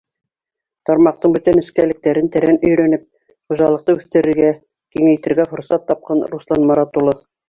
Тармаҡтың бөтә нескәлектәрен тәрән өйрәнеп, хужалыҡты үҫтерергә, киңәйтергә форсат тапҡан Руслан Марат улы.